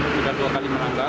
tidak dua kali mengangkat